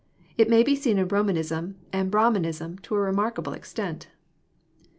It m&jJbsL seen in Romanism and Brahminism to a remarkable extent.